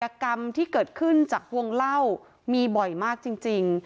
กรรมที่เกิดขึ้นจากวงเล่ามีบ่อยมากจริง